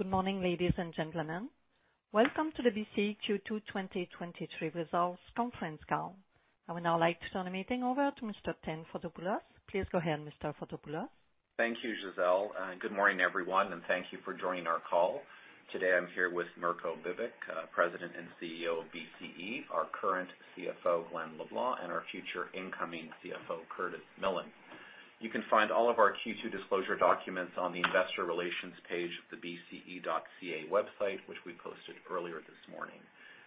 Good morning, ladies and gentlemen. Welcome to the BCE Q2 2023 Results Conference Call. I would now like to turn the meeting over to Mr. Thane Fotopoulos. Please go ahead, Mr. Fotopoulos. Thank you, Gisele, and good morning everyone, and thank you for joining our call. Today I'm here with Mirko Bibic, President and CEO of BCE, our current CFO, Glen LeBlanc, and our future incoming CFO, Curtis Millen. You can find all of our Q2 disclosure documents on the investor relations page of the bce.ca website, which we posted earlier this morning.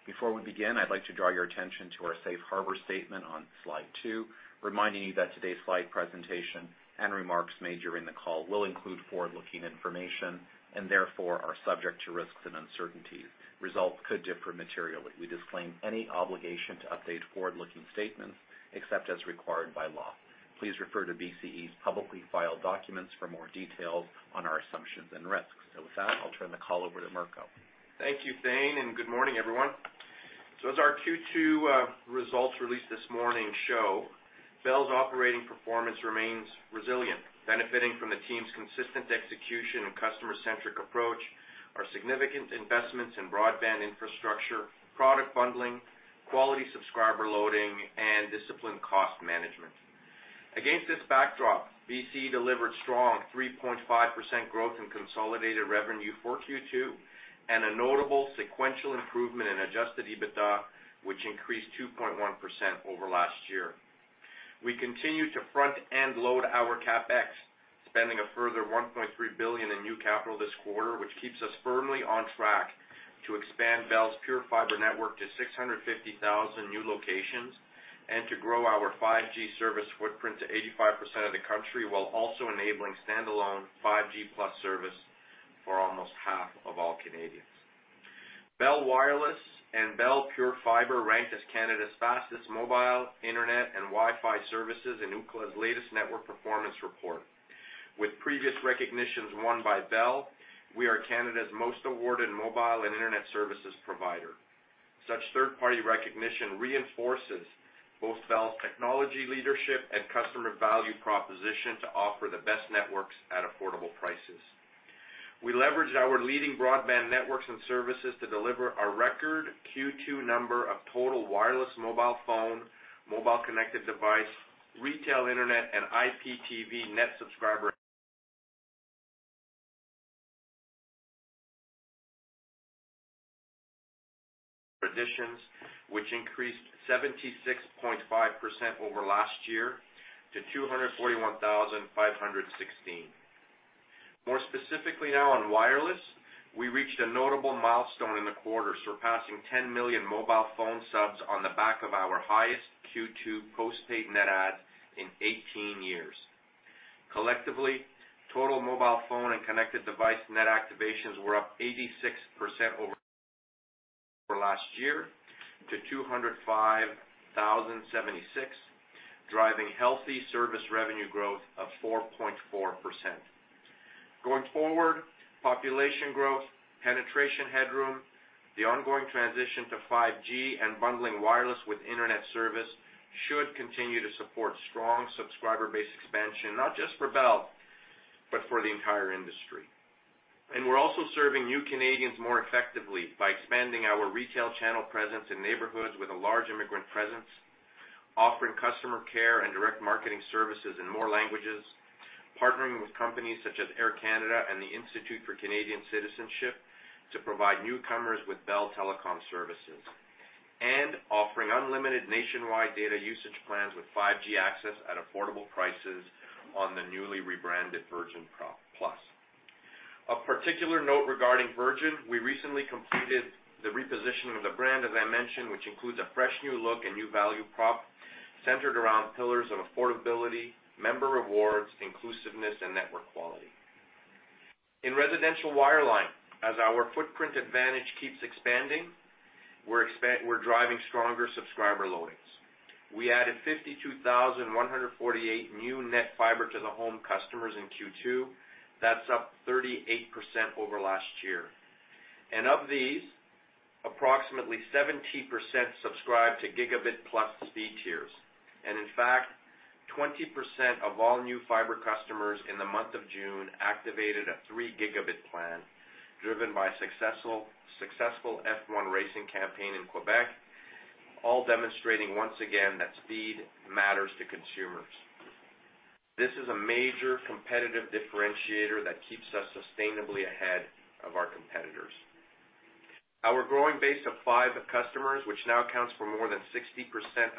Before we begin, I'd like to draw your attention to our safe harbor statement on slide two, reminding you that today's slide presentation and remarks made during the call will include forward-looking information and therefore are subject to risks and uncertainties. Results could differ materially. We disclaim any obligation to update forward-looking statements except as required by law. Please refer to BCE's publicly filed documents for more details on our assumptions and risks. With that, I'll turn the call over to Mirko. Thank you, Thane. Good morning, everyone. As our Q2 results released this morning show, Bell's operating performance remains resilient, benefiting from the team's consistent execution and customer-centric approach, our significant investments in broadband infrastructure, product bundling, quality subscriber loading, and disciplined cost management. Against this backdrop, BCE delivered strong 3.5% growth in consolidated revenue for Q2 and a notable sequential improvement in adjusted EBITDA, which increased 2.1% over last year. We continue to front-end load our CapEx, spending a further 1.3 billion in new capital this quarter, which keeps us firmly on track to expand Bell's Pure Fibre network to 650,000 new locations and to grow our 5G service footprint to 85% of the country, while also enabling standalone 5G+ service for almost half of all Canadians. Bell Wireless and Bell Pure Fibre ranked as Canada's fastest mobile, internet, and Wi-Fi services in Ookla's latest network performance report. With previous recognitions won by Bell, we are Canada's most awarded mobile and internet services provider. Such third-party recognition reinforces both Bell's technology, leadership, and customer value proposition to offer the best networks at affordable prices. We leveraged our leading broadband networks and services to deliver a record Q2 number of total wireless mobile phone, mobile connected device, retail internet, and IPTV net subscriber- additions, which increased 76.5% over last year to 241,516. More specifically now on wireless, we reached a notable milestone in the quarter, surpassing 10 million mobile phone subs on the back of our highest Q2 postpaid net add in 18 years. Collectively, total mobile phone and connected device net activations were up 86% over last year to 205,076, driving healthy service revenue growth of 4.4%. Going forward, population growth, penetration headroom, the ongoing transition to 5G and bundling wireless with internet service should continue to support strong subscriber base expansion, not just for Bell, but for the entire industry. We're also serving new Canadians more effectively by expanding our retail channel presence in neighborhoods with a large immigrant presence, offering customer care and direct marketing services in more languages, partnering with companies such as Air Canada and the Institute for Canadian Citizenship to provide newcomers with Bell Telecom services, and offering unlimited nationwide data usage plans with 5G access at affordable prices on the newly rebranded Virgin Plus. Of particular note regarding Virgin, we recently completed the repositioning of the brand, as I mentioned, which includes a fresh new look and new value prop centered around pillars of affordability, member rewards, inclusiveness, and network quality. In residential wireline, as our footprint advantage keeps expanding, we're driving stronger subscriber loadings. We added 52,148 new net fiber to the home customers in Q2. That's up 38% over last year. Of these, approximately 70% subscribe to Gigabit-plus speed tiers. In fact, 20% of all new fiber customers in the month of June activated a 3 Gigabit plan, driven by successful, successful F1 racing campaign in Quebec, all demonstrating once again that speed matters to consumers. This is a major competitive differentiator that keeps us sustainably ahead of our competitors. Our growing base of fiber customers, which now accounts for more than 60%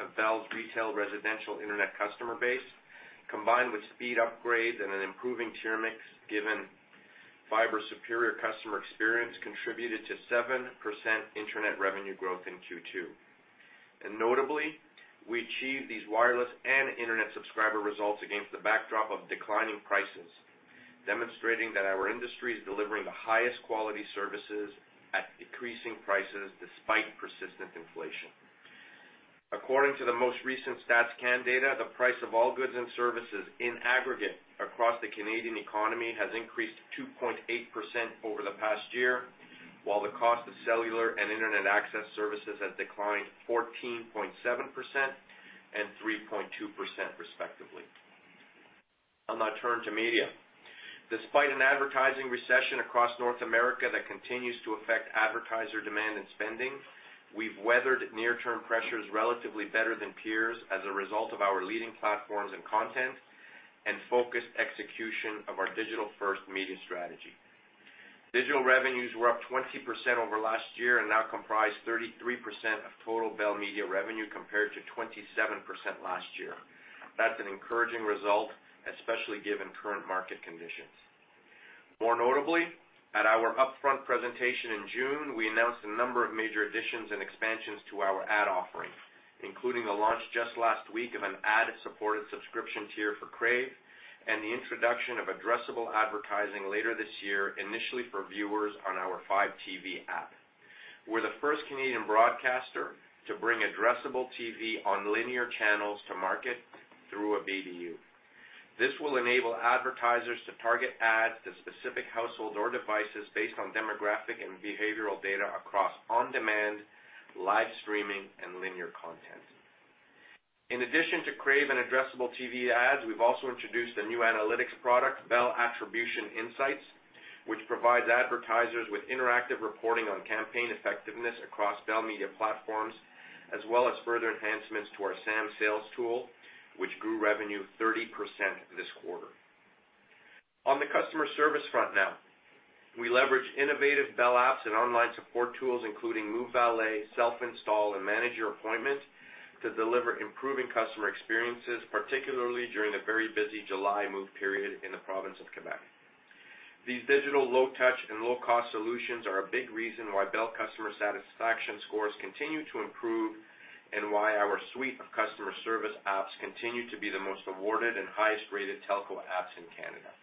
of Bell's retail residential internet customer base, combined with speed upgrades and an improving tier mix, given fiber's superior customer experience, contributed to 7% internet revenue growth in Q2. Notably, we achieved these wireless and internet subscriber results against the backdrop of declining prices, demonstrating that our industry is delivering the highest quality services at decreasing prices despite persistent inflation. According to the most recent StatsCan data, the price of all goods and services in aggregate across the Canadian economy has increased 2.8% over the past year, while the cost of cellular and internet access services has declined 14.7% and 3.2%, respectively. I'm going to turn to media. Despite an advertising recession across North America that continues to affect advertiser demand and spending, we've weathered near-term pressures relatively better than peers as a result of our leading platforms and content and focused execution of our digital-first media strategy. Digital revenues were up 20% over last year and now comprise 33% of total Bell Media revenue, compared to 27% last year. That's an encouraging result, especially given current market conditions. More notably, at our upfront presentation in June, we announced a number of major additions and expansions to our ad offering, including the launch just last week of an ad-supported subscription tier for Crave, and the introduction of addressable advertising later this year, initially for viewers on our Fibe TV app. We're the first Canadian broadcaster to bring addressable TV on linear channels to market through a BDU. This will enable advertisers to target ads to specific households or devices based on demographic and behavioral data across on-demand, live streaming, and linear content. In addition to Crave and addressable TV ads, we've also introduced a new analytics product, Bell Attribution Insights, which provides advertisers with interactive reporting on campaign effectiveness across Bell Media platforms, as well as further enhancements to our SAM sales tool, which grew revenue 30% this quarter. On the customer service front now, we leverage innovative Bell apps and online support tools, including MoveValet, Self-Install, and Manage Your Appointment, to deliver improving customer experiences, particularly during the very busy July move period in the province of Quebec. These digital low-touch and low-cost solutions are a big reason why Bell customer satisfaction scores continue to improve and why our suite of customer service apps continue to be the most awarded and highest-rated telco apps in Canada.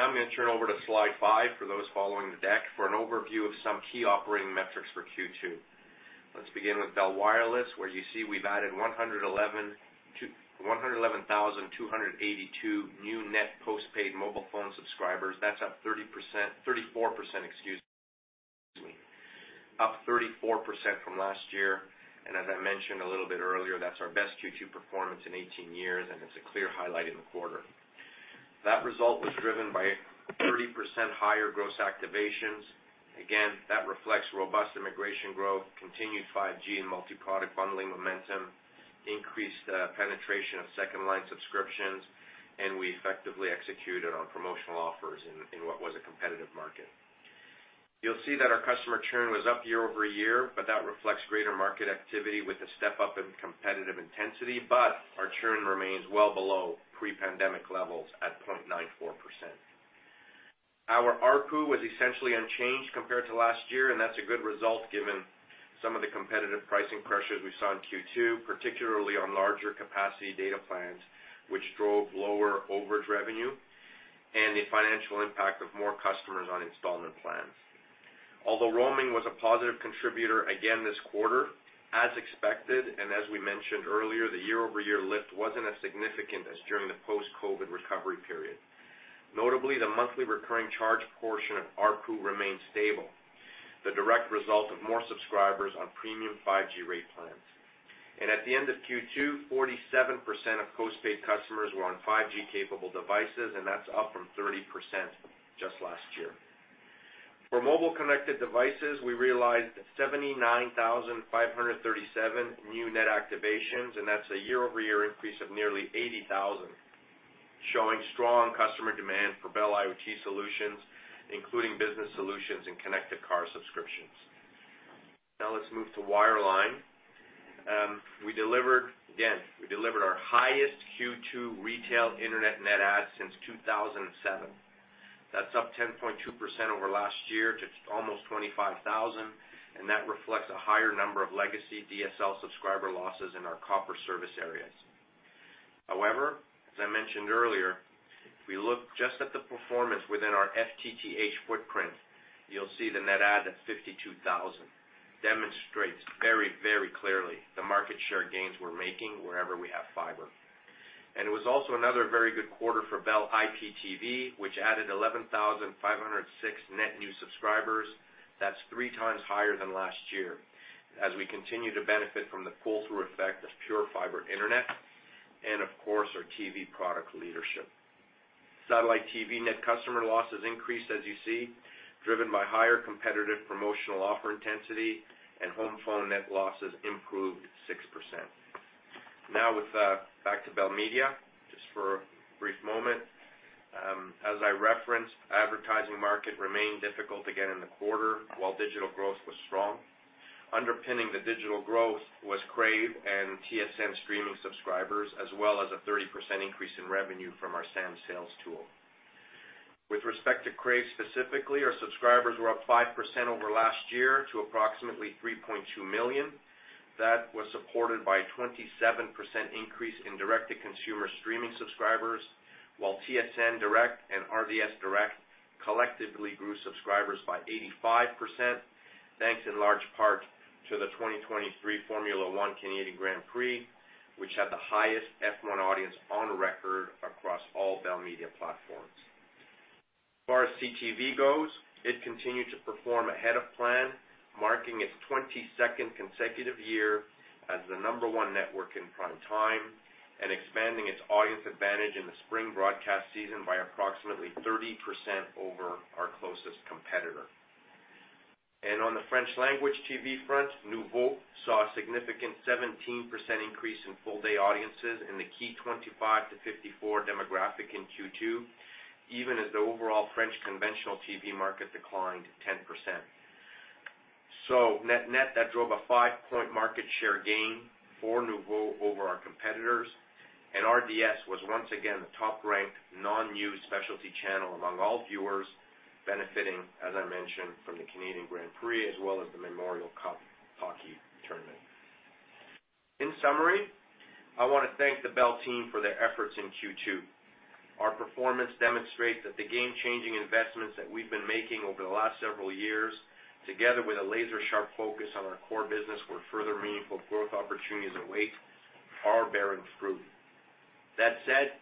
I'm going to turn over to slide 5, for those following the deck, for an overview of some key operating metrics for Q2. Let's begin with Bell Wireless, where you see we've added 111,282 new net postpaid mobile phone subscribers. That's up 30%, 34%, excuse me, up 34% from last year. As I mentioned a little bit earlier, that's our best Q2 performance in 18 years, and it's a clear highlight in the quarter. That result was driven by 30% higher gross activations. That reflects robust immigration growth, continued 5G and multi-product bundling momentum, increased penetration of second-line subscriptions, we effectively executed on promotional offers in what was a competitive market. You'll see that our customer churn was up year-over-year, that reflects greater market activity with a step-up in competitive intensity. Our churn remains well below pre-pandemic levels at 0.94%. Our ARPU was essentially unchanged compared to last year, that's a good result, given some of the competitive pricing pressures we saw in Q2, particularly on larger capacity data plans, which drove lower overage revenue and the financial impact of more customers on installment plans. Roaming was a positive contributor again this quarter, as expected and as we mentioned earlier, the year-over-year lift wasn't as significant as during the post-COVID recovery period. Notably, the monthly recurring charge portion of ARPU remained stable, the direct result of more subscribers on premium 5G rate plans. At the end of Q2, 47% of postpaid customers were on 5G-capable devices, and that's up from 30% just last year. For mobile connected devices, we realized 79,537 new net activations, and that's a year-over-year increase of nearly 80,000, showing strong customer demand for Bell IoT solutions, including business solutions and connected car subscriptions. Let's move to wireline. We delivered. Again, we delivered our highest Q2 retail internet net add since 2007. That's up 10.2% over last year to almost 25,000, and that reflects a higher number of legacy DSL subscriber losses in our copper service areas. However, as I mentioned earlier, if we look just at the performance within our FTTH footprint, you'll see the net add at 52,000 demonstrates very, very clearly the market share gains we're making wherever we have fiber. It was also another very good quarter for Bell IPTV, which added 11,506 net new subscribers. That's 3 times higher than last year, as we continue to benefit from the pull-through effect of Bell Pure Fibre internet and, of course, our TV product leadership. Satellite TV net customer losses increased, as you see, driven by higher competitive promotional offer intensity, and home phone net losses improved 6%. Now with back to Bell Media, just for a brief moment. As I referenced, advertising market remained difficult again in the quarter, while digital growth was strong. Underpinning the digital growth was Crave and TSN streaming subscribers, as well as a 30% increase in revenue from our SAM sales tool. With respect to Crave specifically, our subscribers were up 5% over last year to approximately 3.2 million. That was supported by a 27% increase in direct-to-consumer streaming subscribers, while TSN Direct and RDS Direct collectively grew subscribers by 85%, thanks in large part to the 2023 Formula 1 Canadian Grand Prix, which had the highest F1 audience on record across all Bell Media platforms. As far as CTV goes, it continued to perform ahead of plan, marking its 22nd consecutive year as the number 1 network in prime time, and expanding its audience advantage in the spring broadcast season by approximately 30% over our closest competitor. On the French language TV front, Noovo saw a significant 17% increase in full-day audiences in the key 25 to 54 demographic in Q2, even as the overall French conventional TV market declined 10%. Net net, that drove a 5-point market share gain for Noovo over our competitors, and RDS was once again the top-ranked non-news specialty channel among all viewers, benefiting, as I mentioned, from the Canadian Grand Prix, as well as the Memorial Cup hockey tournament. In summary, I want to thank the Bell team for their efforts in Q2. Our performance demonstrates that the game-changing investments that we've been making over the last several years, together with a laser-sharp focus on our core business, where further meaningful growth opportunities await, are bearing fruit. That said,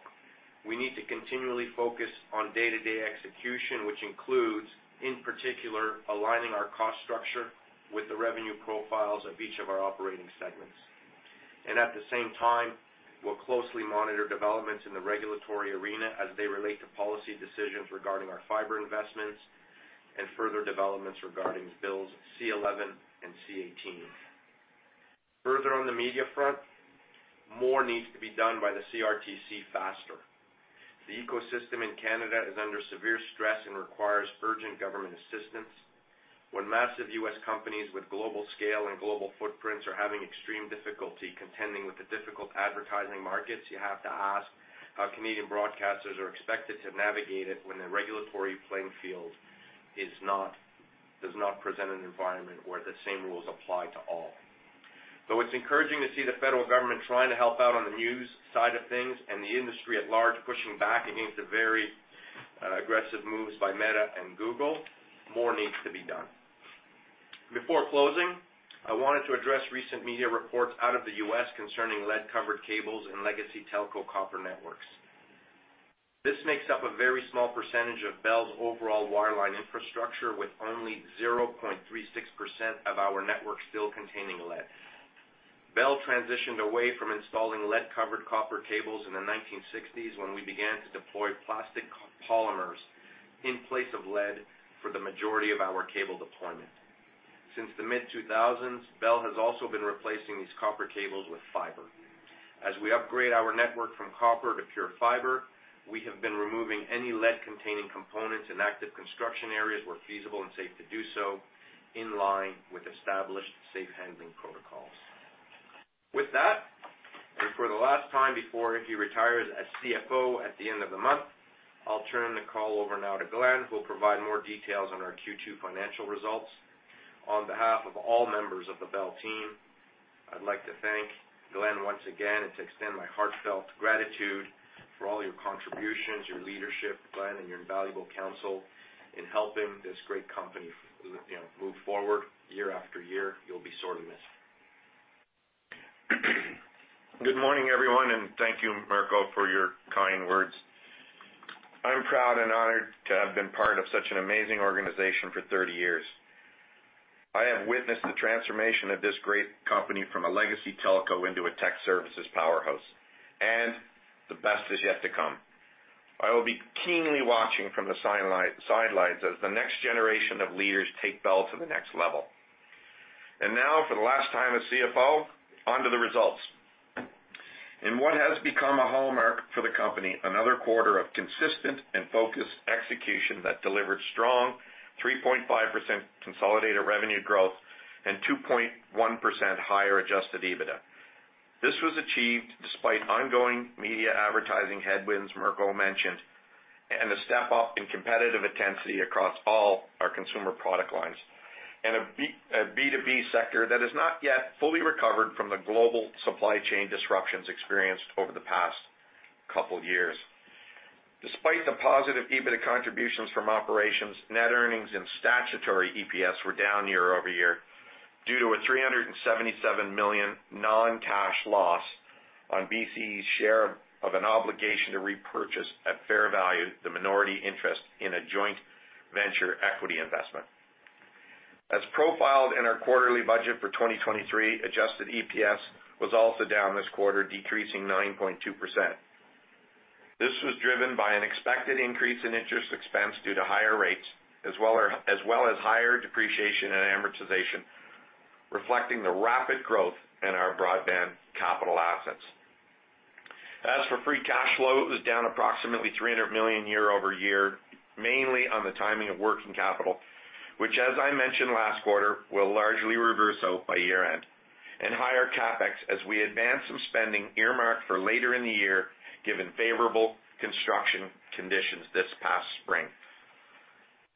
we need to continually focus on day-to-day execution, which includes, in particular, aligning our cost structure with the revenue profiles of each of our operating segments. At the same time, we'll closely monitor developments in the regulatory arena as they relate to policy decisions regarding our fiber investments and further developments regarding Bills C-11 and C-18. Further on the media front, more needs to be done by the CRTC faster. The ecosystem in Canada is under severe stress and requires urgent government assistance. When massive U.S. companies with global scale and global footprints are having extreme difficulty contending with the difficult advertising markets, you have to ask how Canadian broadcasters are expected to navigate it when the regulatory playing field does not present an environment where the same rules apply to all. Though it's encouraging to see the federal government trying to help out on the news side of things and the industry at large pushing back against the very aggressive moves by Meta and Google, more needs to be done. Before closing, I wanted to address recent media reports out of the U.S. concerning lead-covered cables and legacy telco copper networks. This makes up a very small percentage of Bell's overall wireline infrastructure, with only 0.36% of our network still containing lead. Bell transitioned away from installing lead-covered copper cables in the 1960s, when we began to deploy plastic co-polymers in place of lead for the majority of our cable deployment. Since the mid-2000s, Bell has also been replacing these copper cables with fiber. As we upgrade our network from copper to pure fiber, we have been removing any lead-containing components in active construction areas, where feasible and safe to do so, in line with established safe handling protocols. With that, and for the last time before he retires as CFO at the end of the month, I'll turn the call over now to Glen, who'll provide more details on our Q2 financial results. On behalf of all members of the Bell team, I'd like to thank Glen once again, and to extend my heartfelt gratitude for all your contributions, your leadership, Glen, and your invaluable counsel in helping this great company, you know, move forward year after year. You'll be sorely missed. Good morning, everyone, and thank you, Mirko, for your kind words. I'm proud and honored to have been part of such an amazing organization for 30 years. I have witnessed the transformation of this great company from a legacy telco into a tech services powerhouse, the best is yet to come. I will be keenly watching from the sidelines as the next generation of leaders take Bell to the next level. Now, for the last time as CFO, on to the results. In what has become a hallmark for the company, another quarter of consistent and focused execution that delivered strong 3.5% consolidated revenue growth and 2.1% higher adjusted EBITDA. This was achieved despite ongoing media advertising headwinds Mirko Bibic mentioned, a step up in competitive intensity across all our consumer product lines, a B2B sector that is not yet fully recovered from the global supply chain disruptions experienced over the past 2 years. Despite the positive EBITDA contributions from operations, net earnings and statutory EPS were down year-over-year due to a 377 million non-cash loss on BCE's share of an obligation to repurchase, at fair value, the minority interest in a joint venture equity investment. As profiled in our quarterly budget for 2023, adjusted EPS was also down this quarter, decreasing 9.2%. This was driven by an expected increase in interest expense due to higher rates, as well as higher depreciation and amortization, reflecting the rapid growth in our broadband capital assets. As for free cash flow, it was down approximately 300 million year-over-year, mainly on the timing of working capital, which, as I mentioned last quarter, will largely reverse out by year-end, and higher CapEx as we advanced some spending earmarked for later in the year, given favorable construction conditions this past spring.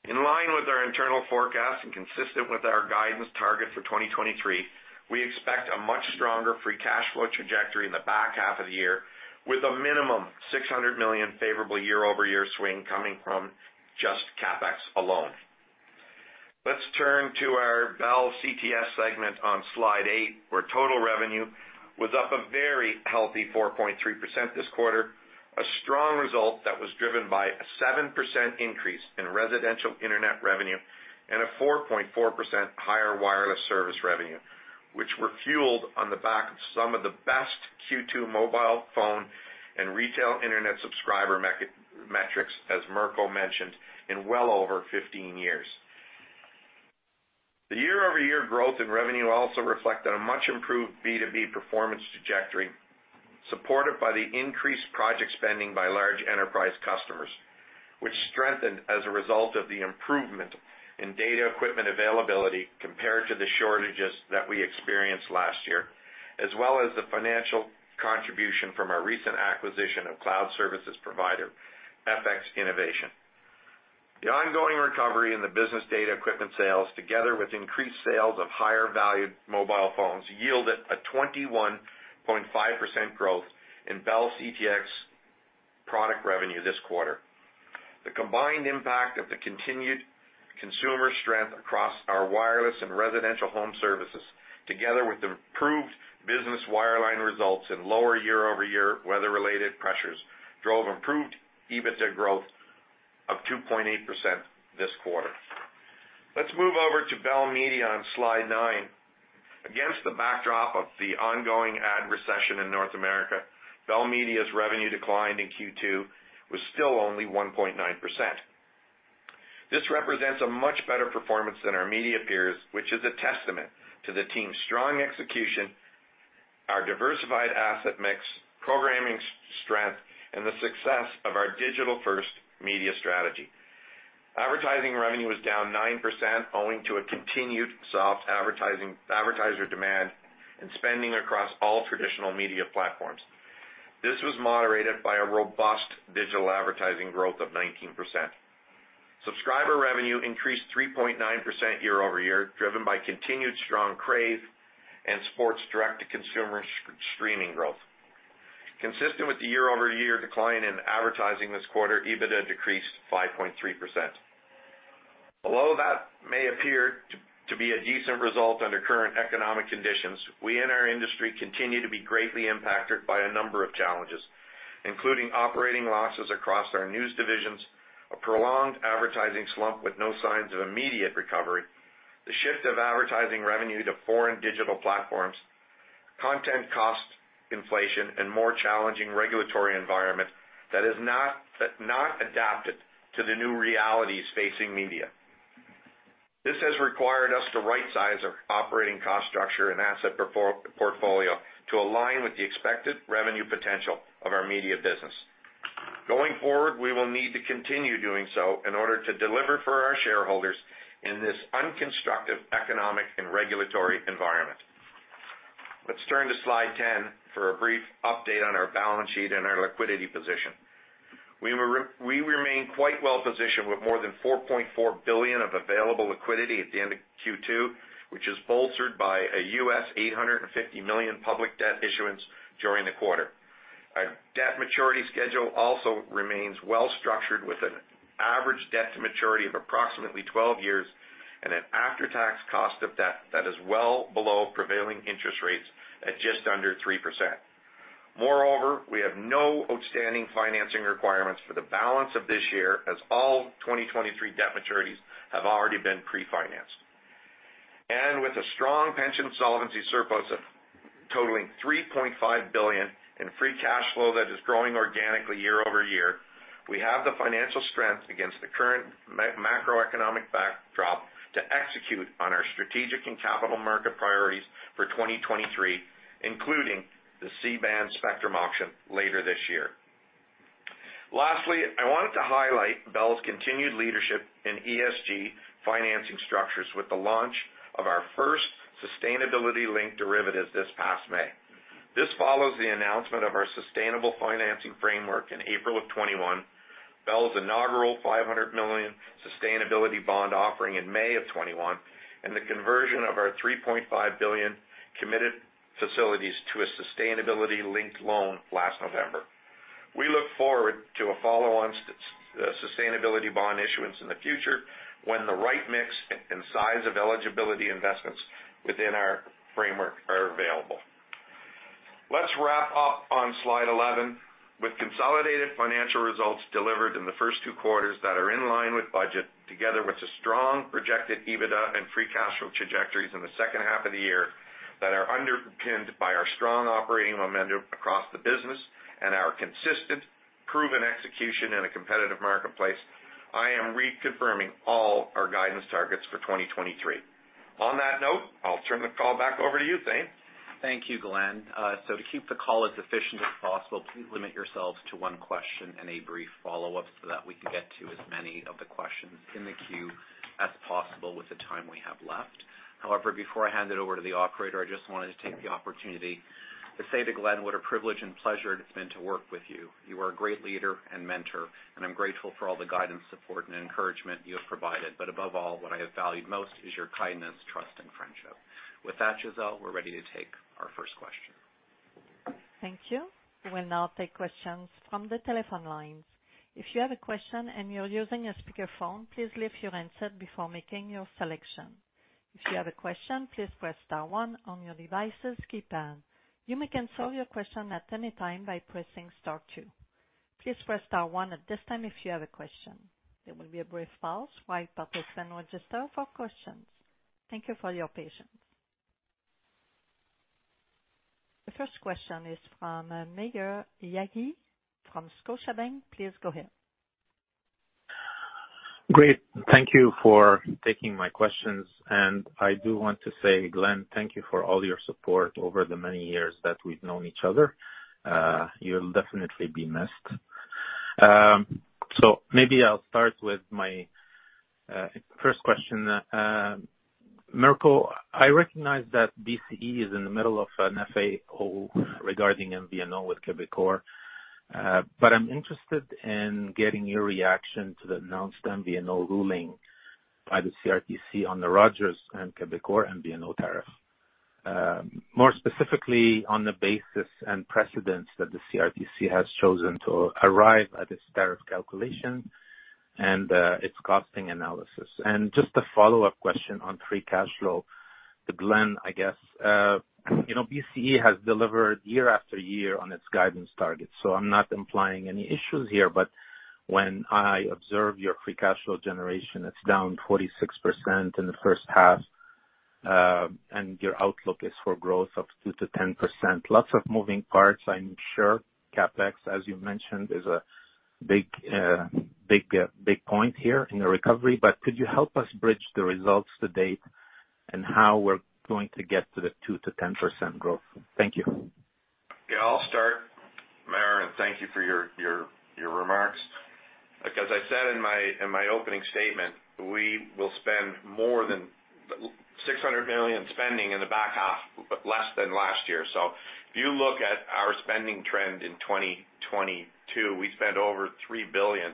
In line with our internal forecast and consistent with our guidance target for 2023, we expect a much stronger free cash flow trajectory in the back half of the year, with a minimum $600 million favorable year-over-year swing coming from just CapEx alone. Let's turn to our Bell CTS segment on Slide 8, where total revenue was up a very healthy 4.3% this quarter, a strong result that was driven by a 7% increase in residential internet revenue and a 4.4% higher wireless service revenue, which were fueled on the back of some of the best Q2 mobile phone and retail internet subscriber metrics, as Mirko mentioned, in well over 15 years. The year-over-year growth in revenue also reflected a much improved B2B performance trajectory, supported by the increased project spending by large enterprise customers, which strengthened as a result of the improvement in data equipment availability compared to the shortages that we experienced last year, as well as the financial contribution from our recent acquisition of cloud services provider, FX Innovation. The ongoing recovery in the business data equipment sales, together with increased sales of higher valued mobile phones, yielded a 21.5% growth in Bell CTS product revenue this quarter. The combined impact of the continued consumer strength across our wireless and residential home services, together with improved business wireline results and lower year-over-year weather-related pressures, drove improved EBITDA growth of 2.8% this quarter. Let's move over to Bell Media on Slide 9. Against the backdrop of the ongoing ad recession in North America, Bell Media's revenue decline in Q2 was still only 1.9%. This represents a much better performance than our media peers, which is a testament to the team's strong execution, our diversified asset mix, programming strength, and the success of our digital-first media strategy. Advertising revenue was down 9%, owing to a continued soft advertiser demand and spending across all traditional media platforms. This was moderated by a robust digital advertising growth of 19%. Subscriber revenue increased 3.9% year-over-year, driven by continued strong Crave and sports direct-to-consumer streaming growth. Consistent with the year-over-year decline in advertising this quarter, EBITDA decreased 5.3%. Although that may appear to be a decent result under current economic conditions, we in our industry continue to be greatly impacted by a number of challenges, including operating losses across our news divisions, a prolonged advertising slump with no signs of immediate recovery, the shift of advertising revenue to foreign digital platforms, content cost inflation, and a more challenging regulatory environment that is not adapted to the new realities facing media. This has required us to rightsize our operating cost structure and asset portfolio to align with the expected revenue potential of our media business. Going forward, we will need to continue doing so in order to deliver for our shareholders in this unconstructive economic and regulatory environment. Let's turn to Slide 10 for a brief update on our balance sheet and our liquidity position. We remain quite well positioned with more than 4.4 billion of available liquidity at the end of Q2, which is bolstered by a $850 million public debt issuance during the quarter. Our debt maturity schedule also remains well structured, with an average debt to maturity of approximately 12 years and an after-tax cost of debt that is well below prevailing interest rates at just under 3%. We have no outstanding financing requirements for the balance of this year, as all 2023 debt maturities have already been pre-financed. With a strong pension solvency surplus of totaling 3.5 billion in free cash flow that is growing organically year-over-year, we have the financial strength against the current macroeconomic backdrop to execute on our strategic and capital market priorities for 2023, including the C-band spectrum auction later this year. Lastly, I wanted to highlight Bell's continued leadership in ESG financing structures with the launch of our first sustainability-linked derivative this past May. This follows the announcement of our sustainable financing framework in April of 2021, Bell's inaugural 500 million sustainability bond offering in May of 2021, and the conversion of our 3.5 billion committed facilities to a sustainability-linked loan last November. We look forward to a follow-on sustainability bond issuance in the future when the right mix and, and size of eligibility investments within our framework are available. Let's wrap up on Slide 11. With consolidated financial results delivered in the first 2 quarters that are in line with budget, together with the strong projected EBITDA and free cash flow trajectories in the second half of the year that are underpinned by our strong operating momentum across the business and our consistent proven execution in a competitive marketplace, I am reconfirming all our guidance targets for 2023. On that note, I'll turn the call back over to you, Thane. Thank you, Glen. To keep the call as efficient as possible, please limit yourselves to 1 question and a brief follow-up, so that we can get to as many of the questions in the queue as possible with the time we have left. Before I hand it over to the operator, I just wanted to take the opportunity to say to Glen what a privilege and pleasure it's been to work with you. You are a great leader and mentor, and I'm grateful for all the guidance, support and encouragement you have provided. Above all, what I have valued most is your kindness, trust and friendship. With that, Gisele, we're ready to take our first question. Thank you. We'll now take questions from the telephone lines. If you have a question and you're using a speakerphone, please leave your handset before making your selection. If you have a question, please press star one on your device's keypad. You may cancel your question at any time by pressing star two. Please press star one at this time if you have a question. There will be a brief pause while participants register for questions. Thank you for your patience. The first question is from Maher Yaghi from Scotiabank. Please go ahead. Great, thank you for taking my questions. I do want to say, Glen, thank you for all your support over the many years that we've known each other. You'll definitely be missed. Maybe I'll start with my first question. Mirko, I recognize that BCE is in the middle of an FAO regarding MVNO with Quebecor, I'm interested in getting your reaction to the announced MVNO ruling by the CRTC on the Rogers and Quebecor MVNO tariff. More specifically, on the basis and precedents that the CRTC has chosen to arrive at this tariff calculation and its costing analysis. Just a follow-up question on free cash flow to Glen, I guess. you know, BCE has delivered year after year on its guidance targets, so I'm not implying any issues here, but when I observe your free cash flow generation, it's down 46% in the first half, and your outlook is for growth of 2%-10%. Lots of moving parts, I'm sure. CapEx, as you mentioned, is a big, big, big point here in the recovery. Could you help us bridge the results to date and how we're going to get to the 2%-10% growth? Thank you. Yeah, I'll start, Maher, thank you for your remarks. As I said in my, in my opening statement, we will spend more than 600 million spending in the back half, but less than last year. If you look at our spending trend in 2022, we spent over 3 billion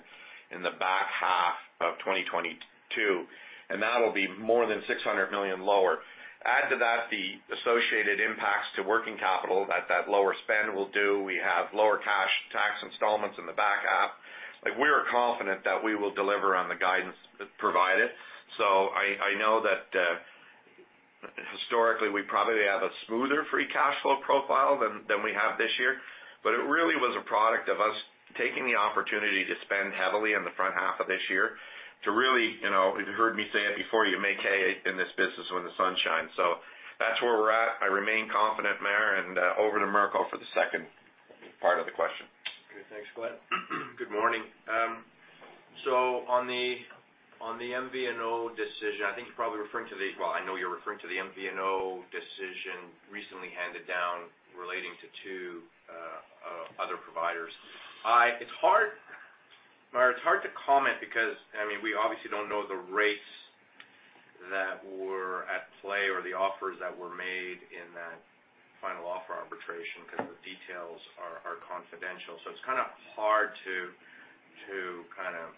in the back half of 2022, and that'll be more than 600 million lower. Add to that, the associated impacts to working capital that, that lower spend will do. We have lower cash tax installments in the back half. Like, we are confident that we will deliver on the guidance provided. I know that, historically, we probably have a smoother free cash flow profile than, than we have this year, but it really was a product of us taking the opportunity to spend heavily in the front half of this year to really, you know, you've heard me say it before, you make hay in this business when the sun shines. That's where we're at. I remain confident, Maher, and, over to Mirko for the second part of the question. Okay, thanks, Glen. Good morning. On the, on the MVNO decision, I think you're probably referring to the. Well, I know you're referring to the MVNO decision recently handed down relating to two other providers. It's hard, Maher, it's hard to comment because, I mean, we obviously don't know the rates that were at play or the offers that were made in that final offer arbitration, because the details are, are confidential. It's kind of hard to, to kind of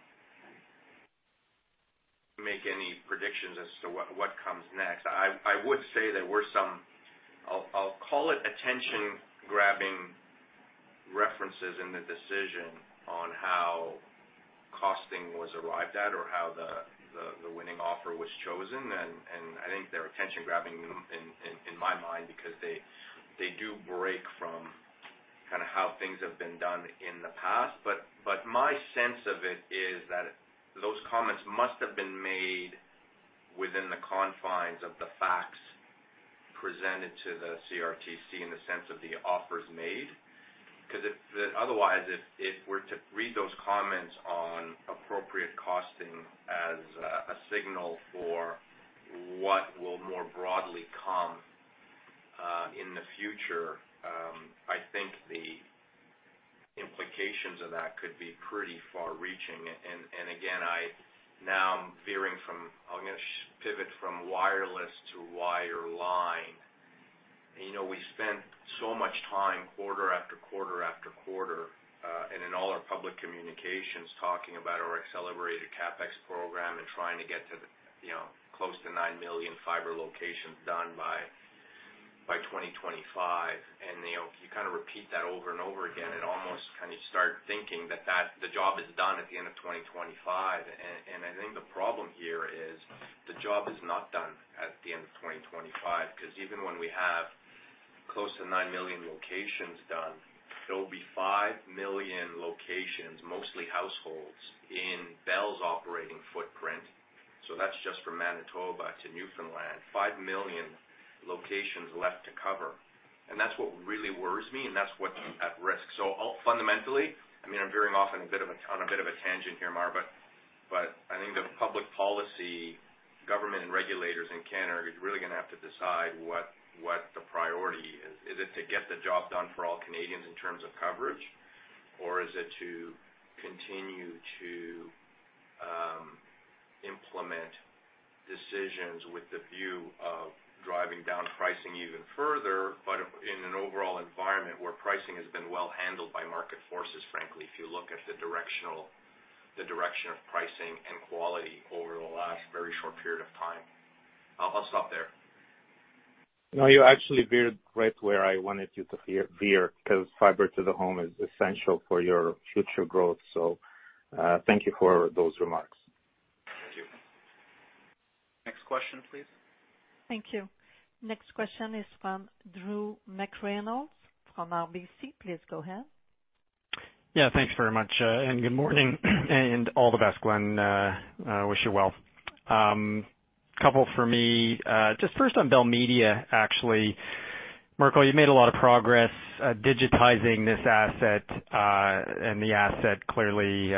make any predictions as to what, what comes next. I, I would say there were some, I'll, I'll call it attention-grabbing references in the decision on how costing was arrived at or how the, the, the winning offer was chosen. I think they're attention-grabbing in my mind, because they, they do break from kind of how things have been done in the past. My sense of it is that those comments must have been made within the confines of the facts presented to the CRTC in the sense of the offers made. If we're to read those comments on appropriate costing as a signal for what will more broadly come in the future, I think the implications of that could be pretty far-reaching. Again, I now am veering from... I'm going to pivot from wireless to wireline. You know, we spent so much time, quarter after quarter after quarter, and in all our public communications, talking about our accelerated CapEx program and trying to get to the, you know, close to 9 million fiber locations done by 2025. You know, if you kind of repeat that over and over again, it almost kind of start thinking that the job is done at the end of 2025. And I think the problem here is the job is not done at the end of 2025, because even when we have close to 9 million locations done, there will be 5 million locations, mostly households, in Bell's operating footprint. That's just from Manitoba to Newfoundland, 5 million locations left to cover. That's what really worries me, and that's what's at risk. I'll fundamentally, I mean, I'm veering off on a bit of a tangent here, Maher, but I think the public policy, government and regulators in Canada are really going to have to decide what, what the priority is. Is it to get the job done for all Canadians in terms of coverage, or is it to continue to implement decisions with the view of driving down pricing even further, but in an overall environment where pricing has been well handled by market forces, frankly, if you look at the direction of pricing and quality over the last very short period of time. I'll, I'll stop there. No, you actually veered right where I wanted you to veer, veer, 'cause fiber to the home is essential for your future growth. Thank you for those remarks. Thank you. Next question, please. Thank you. Next question is from Drew McReynolds from RBC. Please go ahead. Yeah, thanks very much, good morning, and all the best, Glen. I wish you well. Couple for me. Just first on Bell Media, actually. Mirko, you've made a lot of progress digitizing this asset, and the asset clearly,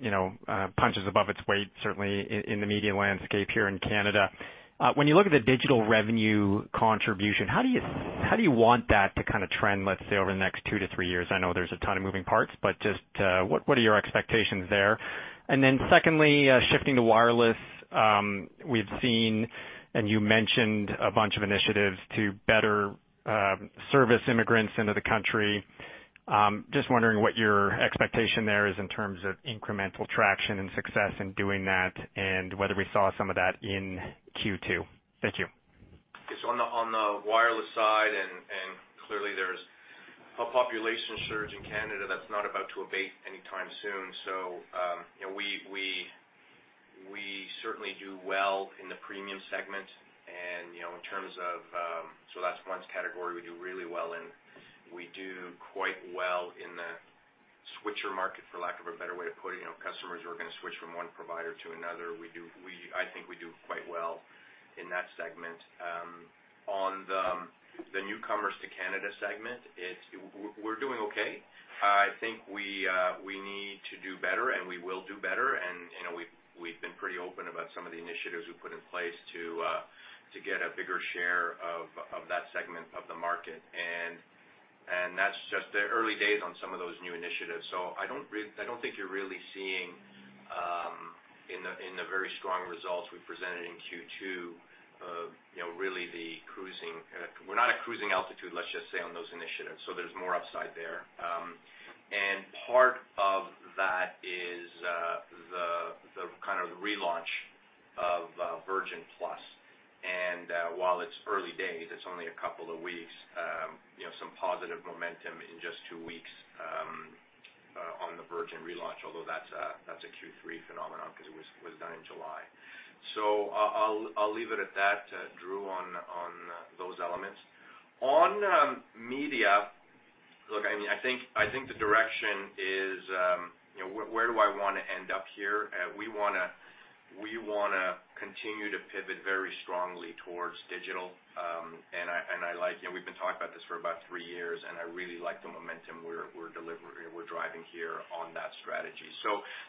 you know, punches above its weight, certainly in the media landscape here in Canada. When you look at the digital revenue contribution, how do you, how do you want that to kind of trend, let's say, over the next two to three years? I know there's a ton of moving parts, just what, what are your expectations there? Secondly, shifting to wireless, we've seen, and you mentioned a bunch of initiatives to better service immigrants into the country. Just wondering what your expectation there is in terms of incremental traction and success in doing that, and whether we saw some of that in Q2. Thank you. On the, on the wireless side, clearly, there's a population surge in Canada that's not about to abate anytime soon. You know, we, we, we certainly do well in the premium segment. You know, in terms of, that's one category we do really well in. We do quite well in the switcher market, for lack of a better way of putting it, you know, customers who are going to switch from one provider to another. We, I think we do quite well in that segment. On the, the newcomers to Canada segment, it's we're, we're doing okay. I think we need to do better, and we will do better. You know, we've, we've been pretty open about some of the initiatives we've put in place to get a bigger share of that segment of the market. That's just the early days on some of those new initiatives. I don't think you're really seeing, in the, in the very strong results we presented in Q2, of, you know, really the cruising... We're not at cruising altitude, let's just say, on those initiatives, so there's more upside there. Part of that is the, the kind of the relaunch of Virgin Plus. While it's early days, it's only a couple of weeks, you know, some positive momentum in just 2 weeks on the Virgin relaunch, although that's a, that's a Q3 phenomenon because it was, was done in July. I'll, I'll leave it at that, Drew, on, on those elements. On media, look, I mean, I think, I think the direction is, you know, where do I want to end up here? We wanna continue to pivot very strongly towards digital. I, and I like, you know, we've been talking about this for about three years, and I really like the momentum we're delivering, we're driving here on that strategy.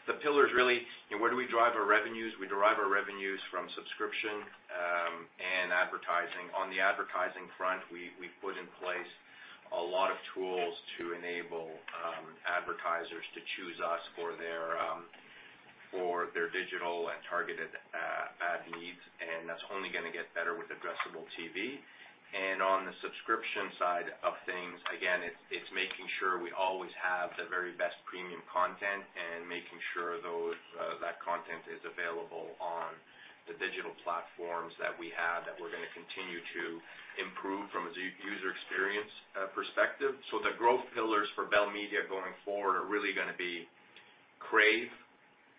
The pillars, really, where do we derive our revenues? We derive our revenues from subscription, and advertising. On the advertising front, we, we've put in place a lot of tools to enable advertisers to choose us for their, for their digital and targeted ad needs, and that's only going to get better with addressable TV. On the subscription side of things, again, it's, it's making sure we always have the very best premium content and making sure those, that content is available on the digital platforms that we have, that we're going to continue to improve from a user experience perspective. So the growth pillars for Bell Media going forward are really going to be Crave,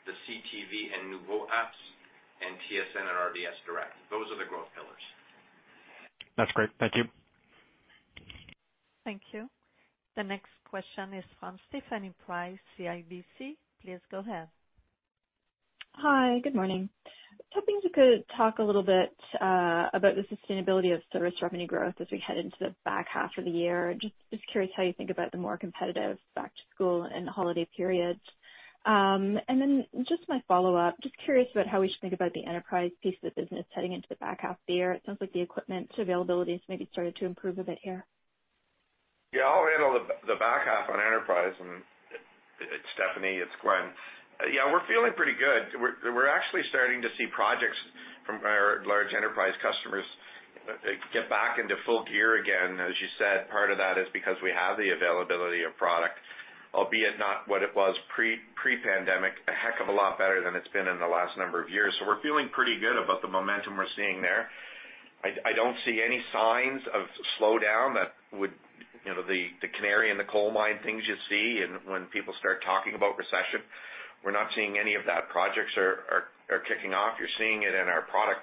the CTV and Noovo apps, and TSN and RDS Direct. Those are the growth pillars. That's great. Thank you. Thank you. The next question is from Stephanie Price, CIBC. Please go ahead. Hi, good morning. Hoping you could talk a little bit about the sustainability of service revenue growth as we head into the back half of the year. Just curious how you think about the more competitive back to school and holiday periods? My follow-up, just curious about how we should think about the enterprise piece of the business heading into the back half of the year. It sounds like the equipment availability has maybe started to improve a bit here. Yeah, I'll handle the, the back half on enterprise. Stephanie, it's Glen. Yeah, we're feeling pretty good. We're, we're actually starting to see projects from our large enterprise customers, get back into full gear again. As you said, part of that is because we have the availability of product, albeit not what it was pre, pre-pandemic, a heck of a lot better than it's been in the last number of years. We're feeling pretty good about the momentum we're seeing there. I, I don't see any signs of slowdown that would, you know, the, the canary in the coal mine things you see and when people start talking about recession. We're not seeing any of that. Projects are, are, are kicking off. You're seeing it in our product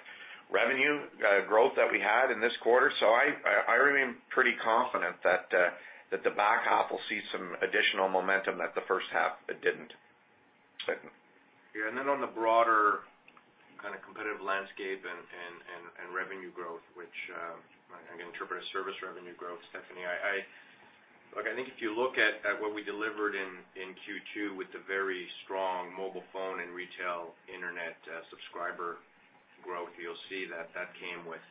revenue, growth that we had in this quarter. I remain pretty confident that, that the back half will see some additional momentum that the first half, it didn't. Yeah, then on the broader kind of competitive landscape and, and, and, and revenue growth, which, I'm going to interpret as service revenue growth, Stephanie. Look, I think if you look at, at what we delivered in, in Q2 with the very strong mobile phone and retail internet, subscriber growth, you'll see that that came with,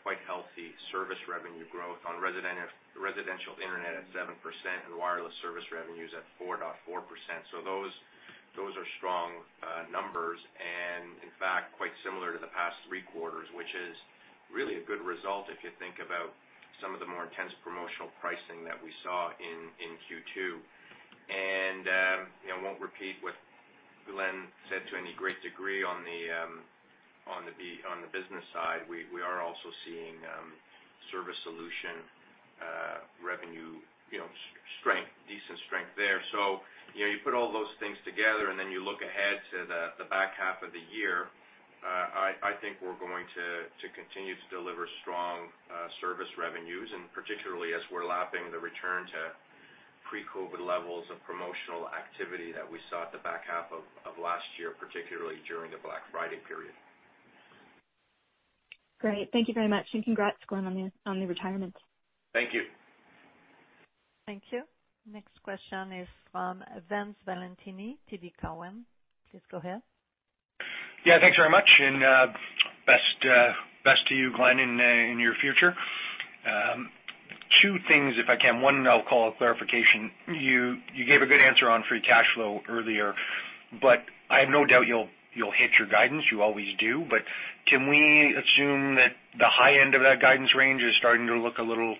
you know, quite healthy service revenue growth on residential internet at 7% and wireless service revenues at 4.4%. Those, those are strong, numbers and in fact, quite similar to the past 3 quarters, which is really a good result if you think about some of the more intense promotional pricing that we saw in, in Q2. You know, won't repeat what Glen said to any great degree on the business side. We, we are also seeing service solution revenue, you know, strength, decent strength there. You know, you put all those things together, you look ahead to the back half of the year, I think we're going to continue to deliver strong service revenues, and particularly as we're lapping the return to pre-COVID levels of promotional activity that we saw at the back half of last year, particularly during the Black Friday period. Great. Thank you very much. Congrats, Glen, on the retirement. Thank you. Thank you. Next question is from Vince Valentini, TD Cowen. Please go ahead. Yeah, thanks very much. Best, best to you, Glen, in your future. Two things, if I can. One, I'll call a clarification. You, you gave a good answer on free cash flow earlier, but I have no doubt you'll, you'll hit your guidance. You always do. Can we assume that the high end of that guidance range is starting to look a little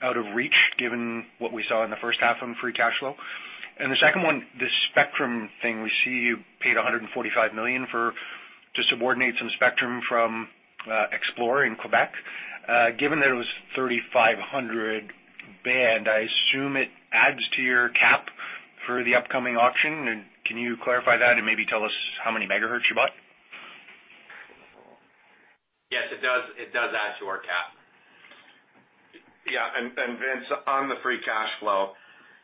out of reach, given what we saw in the first half on free cash flow? The second one, the spectrum thing, we see you paid 145 million to subordinate some spectrum from Xplor in Quebec. Given that it was 3,500 MHz band, I assume it adds to your cap for the upcoming auction. Can you clarify that and maybe tell us how many megahertz you bought? Yes, it does, it does add to our cap. Yeah, and Vince, on the free cash flow,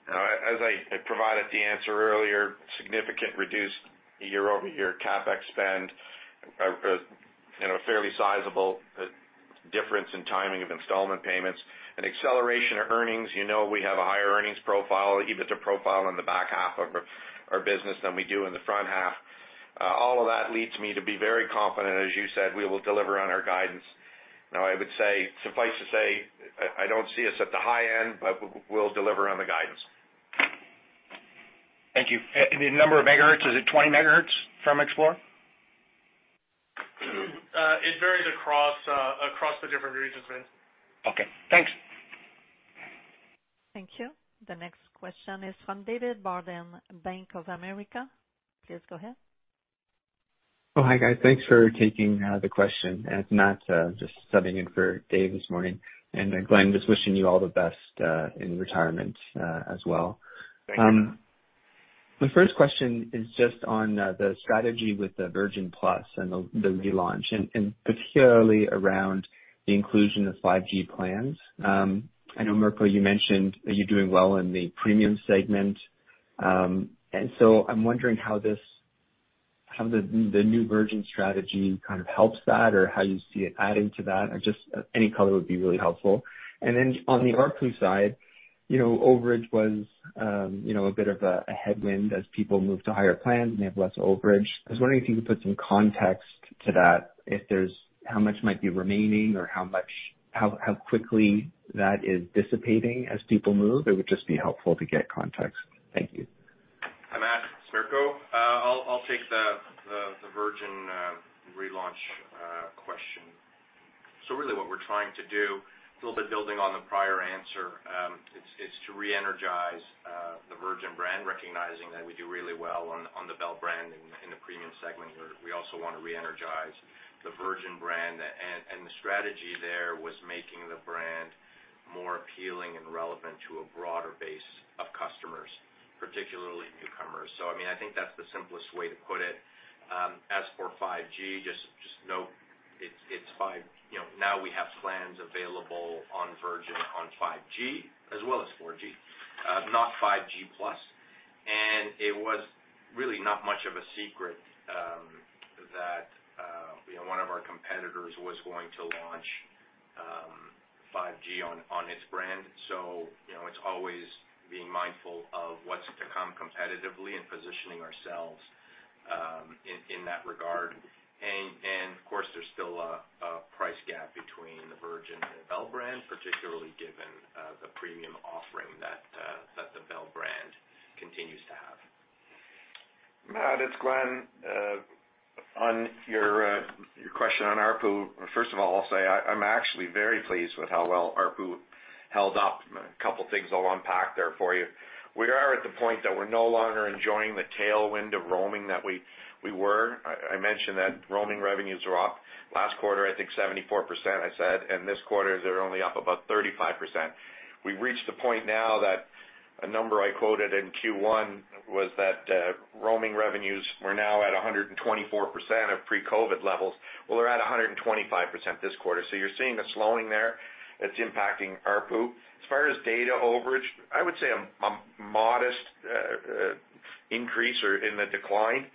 as I, I provided the answer earlier, significant reduced year-over-year CapEx spend, you know, fairly sizable difference in timing of installment payments and acceleration of earnings. You know, we have a higher earnings profile, EBITDA profile in the back half of our, our business than we do in the front half. All of that leads me to be very confident, as you said, we will deliver on our guidance. Now, I would say, suffice to say, I, I don't see us at the high end, but we'll deliver on the guidance. Thank you. The number of megahertz, is it 20 megahertz from Xplor? It varies across, across the different regions, Vince. Okay, thanks. Thank you. The next question is from David Barden, Bank of America. Please go ahead. Oh, hi, guys. Thanks for taking the question. It's Matt just subbing in for Dave this morning. Glen, just wishing you all the best in retirement as well. Thank you. The first question is just on the strategy with the Virgin Plus and the relaunch, and particularly around the inclusion of 5G plans. I know, Mirko, you mentioned that you're doing well in the premium segment. I'm wondering how the new Virgin strategy kind of helps that, or how you see it adding to that? Just any color would be really helpful. On the ARPU side, you know, overage was, you know, a bit of a headwind as people moved to higher plans, and they have less overage. I was wondering if you could put some context to that, how much might be remaining or how quickly that is dissipating as people move. It would just be helpful to get context. Thank you. Hi, Matt. Mirko. I'll take the Virgin relaunch question. Really what we're trying to do, a little bit building on the prior answer, it's to reenergize the Virgin brand, recognizing that we do really well on the Bell brand in the premium segment. We also want to reenergize the Virgin brand, and the strategy there was making the brand more appealing and relevant to a broader base of customers, particularly newcomers. I mean, I think that's the simplest way to put it. As for 5G, just know you know, now we have plans available on Virgin on 5G as well as 4G, not 5G Plus. It was really not much of a secret that, you know, one of our competitors was going to launch 5G on its brand. You know, it's always being mindful of what's to come competitively and positioning ourselves in that regard. Of course, there's still a price gap between the Virgin and the Bell brand, particularly given the premium offering that the Bell brand continues to have. Matt, it's Glen. On your question on ARPU, first of all, I'll say I, I'm actually very pleased with how well ARPU held up. A couple things I'll unpack there for you. We are at the point that we're no longer enjoying the tailwind of roaming that we, we were. I, I mentioned that roaming revenues are up. Last quarter, I think 74%, I said, and this quarter, they're only up about 35%. We've reached the point now that a number I quoted in Q1 was that roaming revenues were now at 124% of pre-COVID levels. Well, they're at 125% this quarter. You're seeing a slowing there that's impacting ARPU. As far as data overage, I would say a, a modest increase or in the decline.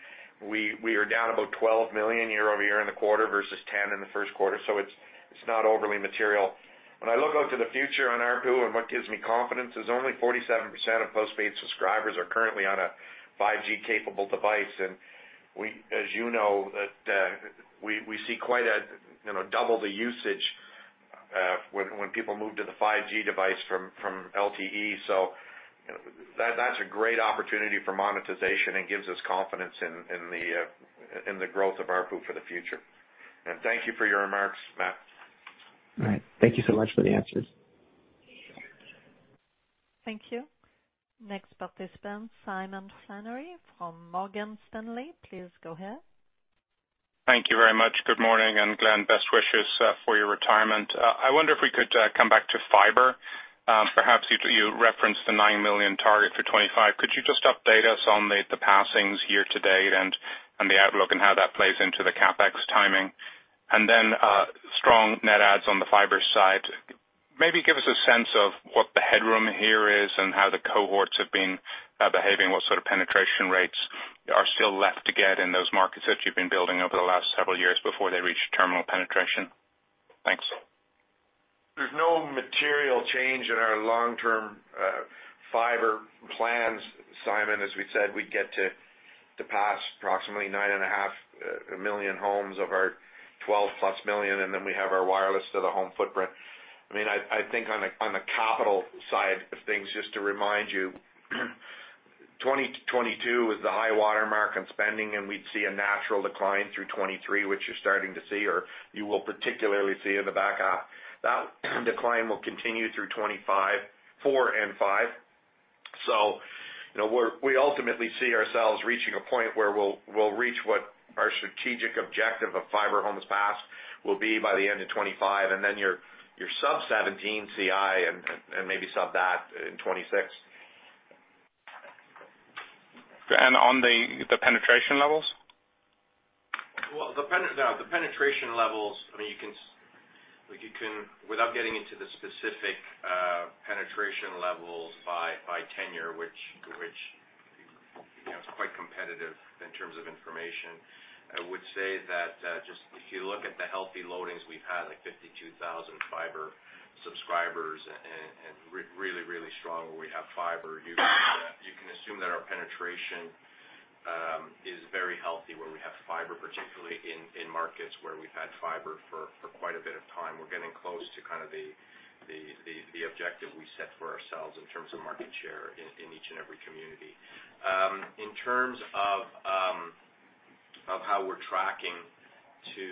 We are down about 12 million year-over-year in the quarter versus 10 million in the first quarter. It's not overly material. When I look out to the future on ARPU, what gives me confidence is only 47% of postpaid subscribers are currently on a 5G-capable device. We, as you know, we see quite a, you know, double the usage-... when people move to the 5G device from LTE. That's a great opportunity for monetization and gives us confidence in the growth of ARPU for the future. Thank you for your remarks, Matt. All right. Thank you so much for the answers. Thank you. Next participant, Simon Flannery from Morgan Stanley. Please go ahead. Thank you very much. Good morning, Glen, best wishes for your retirement. I wonder if we could come back to fiber. Perhaps you, you referenced the 9 million target for 2025. Could you just update us on the passings year to date and the outlook and how that plays into the CapEx timing? Strong net adds on the fiber side. Maybe give us a sense of what the headroom here is and how the cohorts have been behaving, what sort of penetration rates are still left to get in those markets that you've been building over the last several years before they reach terminal penetration? Thanks. There's no material change in our long-term fiber plans, Simon. As we said, we get to, to pass approximately 9.5 million homes of our 12+ million, and then we have our wireless to the home footprint. I mean, I, I think on the, on the capital side of things, just to remind you, 2022 is the high watermark in spending, and we'd see a natural decline through 2023, which you're starting to see, or you will particularly see in the back half. That decline will continue through 2025, 4 and 5. You know, we ultimately see ourselves reaching a point where we'll, we'll reach what our strategic objective of fiber homes passed will be by the end of 2025, and then your, your sub 17 CI and, and, and maybe sub that in 2026. On the, the penetration levels? Well, the penetration levels, I mean, you can, like you can, without getting into the specific penetration levels by, by tenure, which, which, you know, is quite competitive in terms of information. I would say that just if you look at the healthy loadings, we've had, like 52,000 fiber subscribers and, and, and re- really, really strong where we have fiber. You can assume that our penetration is very healthy where we have fiber, particularly in, in markets where we've had fiber for, for quite a bit of time. We're getting close to kind of the, the, the, the objective we set for ourselves in terms of market share in, in each and every community. In terms of how we're tracking to...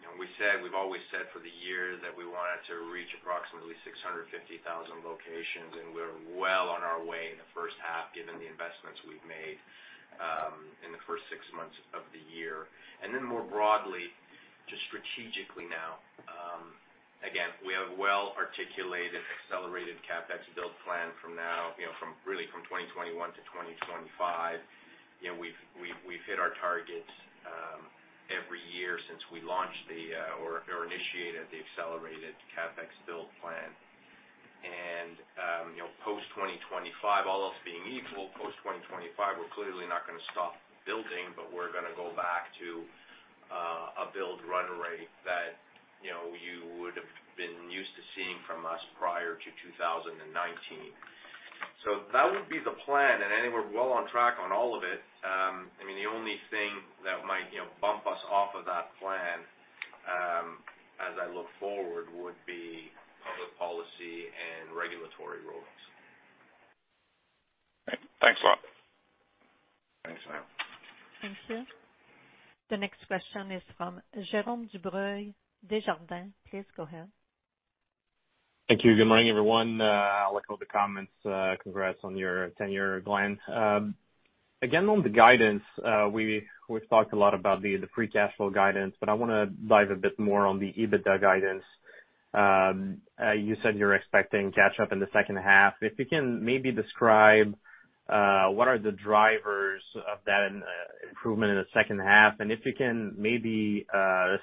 You know, we said, we've always said for the year that we wanted to reach approximately 650,000 locations, and we're well on our way in the first half, given the investments we've made, in the first 6 months of the year. Then more broadly, just strategically now, again, we have well-articulated, accelerated CapEx build plan from now, you know, from really from 2021 to 2025. You know, we've, hit our targets, every year since we launched the, or, or initiated the accelerated CapEx build plan. You know, post 2025, all else being equal, post 2025, we're clearly not gonna stop building, but we're gonna go back to a build run rate that, you know, you would've been used to seeing from us prior to 2019. That would be the plan, and I think we're well on track on all of it. I mean, the only thing that might, you know, bump us off of that plan, as I look forward, would be public policy and regulatory rulings. Thanks a lot. Thanks, Simon. Thank you. The next question is from Jerome Dubreuil, Desjardins. Please go ahead. Thank you. Good morning, everyone. I'll echo the comments, congrats on your tenure, Glen. Again, on the guidance, we've talked a lot about the free cash flow guidance, but I wanna dive a bit more on the EBITDA guidance. You said you're expecting catch up in the second half. If you can maybe describe what are the drivers of that improvement in the second half? If you can maybe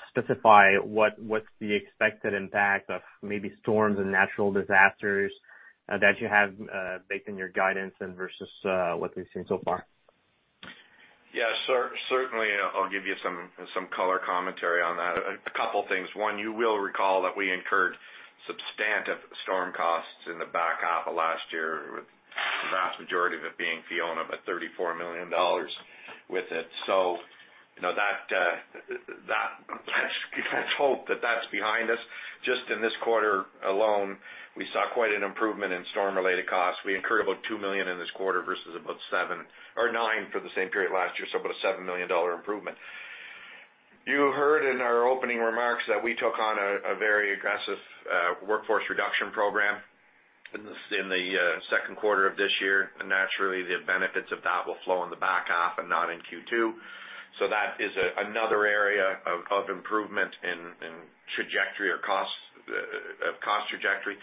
specify what's the expected impact of maybe storms and natural disasters that you have baked in your guidance and versus what we've seen so far. Yeah, certainly, I'll give you some, some color commentary on that. A couple things. One, you will recall that we incurred substantive storm costs in the back half of last year, with the vast majority of it being Fiona, about 34 million dollars with it. So you know, that, that, let's hope that that's behind us. Just in this quarter alone, we saw quite an improvement in storm-related costs. We incurred about 2 million in this quarter versus about 7 or 9 for the same period last year, so about a 7 million dollar improvement. You heard in our opening remarks that we took on a very aggressive workforce reduction program in the second quarter of this year. Naturally, the benefits of that will flow in the back half and not in Q2. That is another area of, of improvement in, in trajectory or costs, of cost trajectory.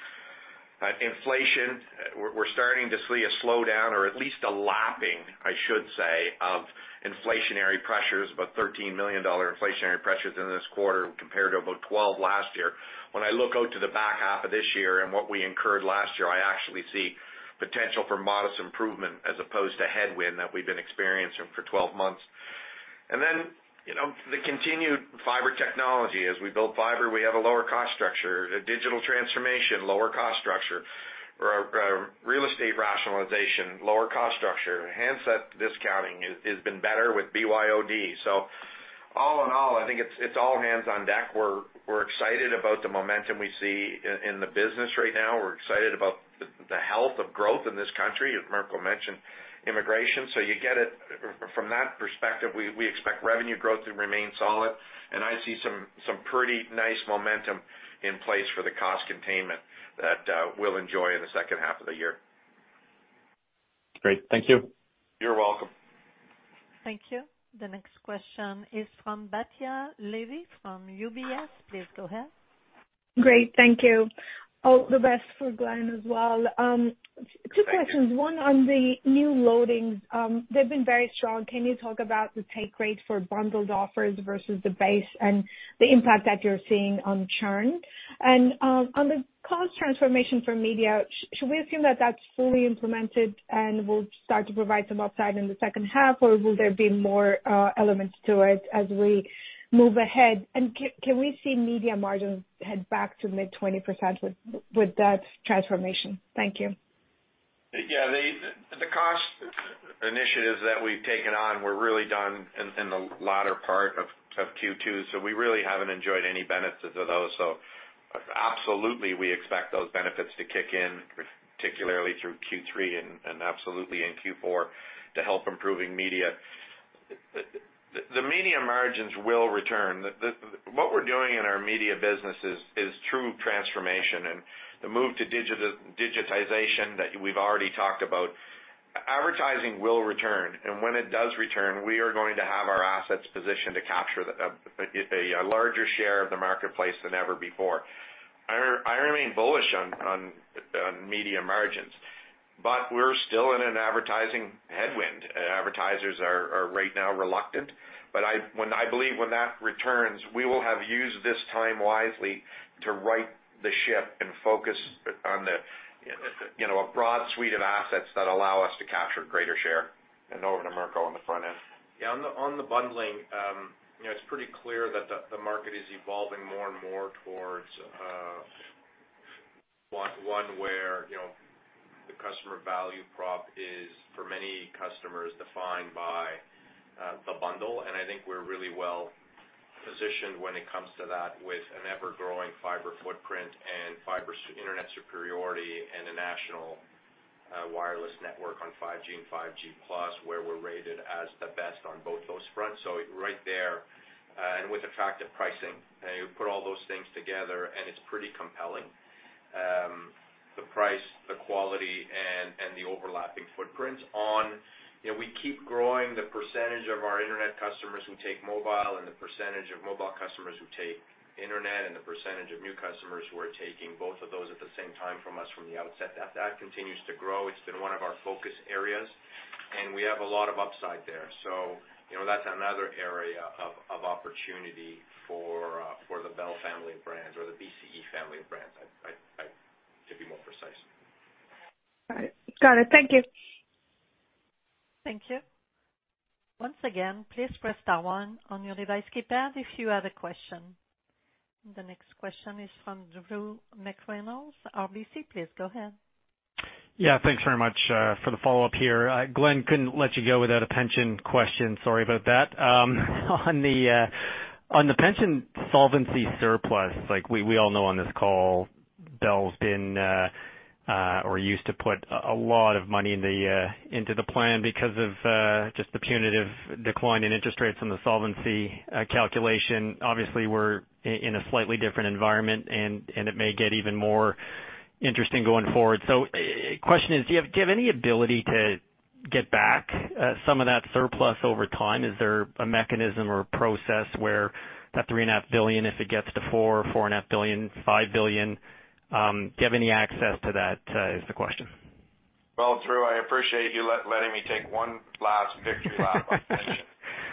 Inflation, we're, we're starting to see a slowdown, or at least a lapping, I should say, of inflationary pressures, about 13 million dollar inflationary pressures in this quarter compared to about 12 million last year. When I look out to the back half of this year and what we incurred last year, I actually see potential for modest improvement as opposed to headwind that we've been experiencing for 12 months. Then, you know, the continued fiber technology. As we build fiber, we have a lower cost structure, a digital transformation, lower cost structure. Or, real estate rationalization, lower cost structure, handset discounting has, has been better with BYOD. All in all, I think it's, it's all hands on deck. We're, we're excited about the momentum we see in, in the business right now. We're excited about the, the health of growth in this country, as Mirko mentioned, immigration. You get it. From that perspective, we, we expect revenue growth to remain solid, and I see some, some pretty nice momentum in place for the cost containment that we'll enjoy in the second half of the year. Great. Thank you. You're welcome. Thank you. The next question is from Batya Levi from UBS. Please go ahead. Great, thank you. All the best for Glen as well. 2 questions. One, on the new loadings, they've been very strong. Can you talk about the take rate for bundled offers versus the base and the impact that you're seeing on churn? On the cost transformation for media, should we assume that that's fully implemented and will start to provide some upside in the second half, or will there be more elements to it as we move ahead? Can we see media margins head back to mid-20% with, with that transformation? Thank you. The cost initiatives that we've taken on were really done in the latter part of Q2, so we really haven't enjoyed any benefits of those. Absolutely, we expect those benefits to kick in, particularly through Q3 and absolutely in Q4, to help improving media. The media margins will return. What we're doing in our media business is true transformation and the move to digitization that we've already talked about. Advertising will return, and when it does return, we are going to have our assets positioned to capture a larger share of the marketplace than ever before. I remain bullish on media margins, but we're still in an advertising headwind, and advertisers are right now reluctant. I believe when that returns, we will have used this time wisely to right the ship and focus on the, you know, a broad suite of assets that allow us to capture greater share. Over to Mirko on the front end. Yeah, on the, on the bundling, you know, it's pretty clear that the, the market is evolving more and more towards one, one where, you know, the customer value prop is, for many customers, defined by the bundle. I think we're really well positioned when it comes to that, with an ever-growing fiber footprint and fiber internet superiority and a national wireless network on 5G and 5G Plus, where we're rated as the best on both those fronts. Right there, and with attractive pricing, and you put all those things together, and it's pretty compelling. The price, the quality, and, and the overlapping footprints. On. You know, we keep growing the percentage of our internet customers who take mobile and the percentage of mobile customers who take internet, and the percentage of new customers who are taking both of those at the same time from us from the outset. That, that continues to grow. It's been one of our focus areas, and we have a lot of upside there. You know, that's another area of, of opportunity for the Bell family of brands or the BCE family of brands, I to be more precise. All right. Got it. Thank you. Thank you. Once again, please press star one on your device keypad if you have a question. The next question is from Drew Reynolds, RBC. Please go ahead. Yeah, thanks very much for the follow-up here. Glen, couldn't let you go without a pension question. Sorry about that. On the pension solvency surplus, like, we, we all know on this call, Bell's been or used to put a lot of money into the plan because of just the punitive decline in interest rates on the solvency calculation. Obviously, we're in a slightly different environment, and it may get even more interesting going forward. Question is: Do you have any ability to get back some of that surplus over time? Is there a mechanism or a process where that 3.5 billion, if it gets to 4 billion, 4.5 billion, 5 billion, do you have any access to that, is the question? Well, Drew, I appreciate you letting me take one last victory lap on pension.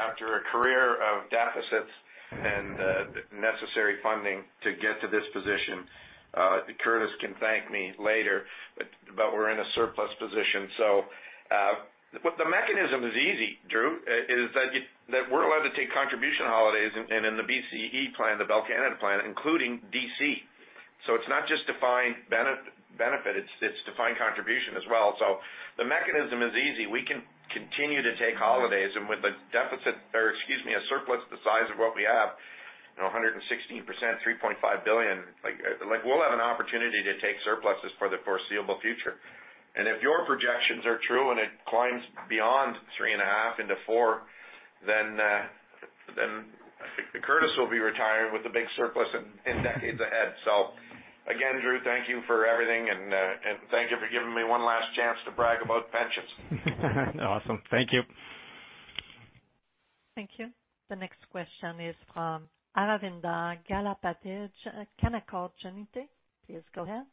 After a career of deficits and necessary funding to get to this position, Curtis can thank me later, but we're in a surplus position. The mechanism is easy, Drew. Is that we're allowed to take contribution holidays, and in the BCE plan, the Bell Canada plan, including DC. It's not just defined benefit, it's defined contribution as well. The mechanism is easy. We can continue to take holidays, and with a deficit, or excuse me, a surplus the size of what we have, you know, 116%, 3.5 billion, like, we'll have an opportunity to take surpluses for the foreseeable future. If your projections are true, and it climbs beyond 3.5 into 4, then, then I think Curtis will be retiring with a big surplus in, in decades ahead. Again, Drew, thank you for everything, and, and thank you for giving me one last chance to brag about pensions. Awesome. Thank you. Thank you. The next question is from Aravinda Galappatti, Canaccord Genuity. Please go ahead.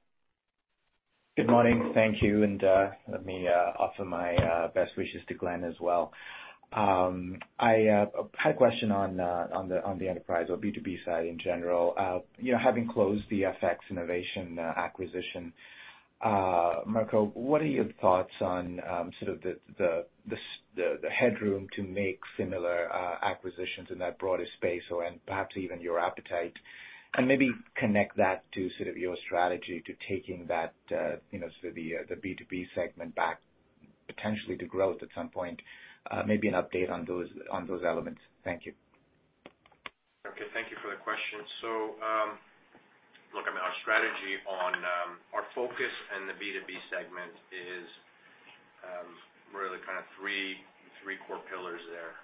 Good morning. Thank you, and let me offer my best wishes to Glen as well. I had a question on on the on the enterprise or B2B side in general. You know, having closed the FX Innovation acquisition, Mirko, what are your thoughts on sort of the the the the headroom to make similar acquisitions in that broader space or and perhaps even your appetite? Maybe connect that to sort of your strategy to taking that, you know, so the the B2B segment back... potentially to growth at some point, maybe an update on those on those elements. Thank you. Okay, thank you for the question. Look, I mean, our strategy on, our focus in the B2B segment is really kind of 3, 3 core pillars there.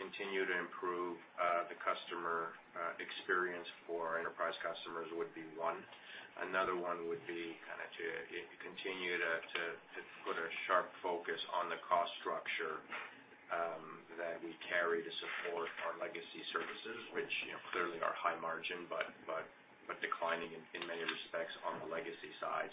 Continue to improve the customer experience for enterprise customers would be 1. Another 1 would be kinda to continue to put a sharp focus on the cost structure that we carry to support our legacy services, which, you know, clearly are high margin, but declining in many respects on the legacy side.